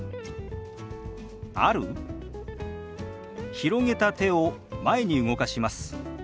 広げた手を前に動かします。